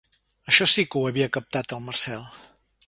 Això sí que ho havia captat el Marcel.